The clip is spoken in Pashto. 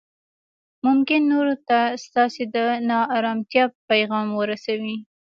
ممکن نورو ته ستاسې د نا ارامتیا پیغام ورسوي